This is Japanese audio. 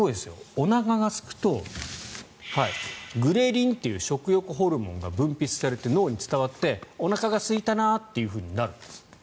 おなかがすくとグレリンという食欲ホルモンが分泌されて脳に伝わっておなかがすいたなっていうふうになるんですって。